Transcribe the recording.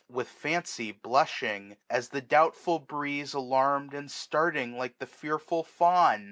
With fancy blushing, at the doubtful breeze Alarm'd, and starting like the fearful fewn